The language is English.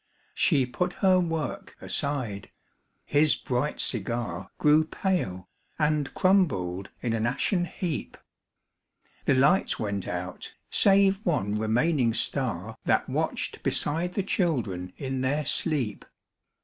She put her work aside; his bright cigar Grew pale, and crumbled in an ashen heap. The lights went out, save one remaining star That watched beside the children in their sleep.